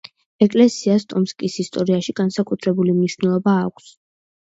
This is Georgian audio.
ეკლესიას ტომსკის ისტორიაში განსაკუთრებული მნიშვნელობა აქვს.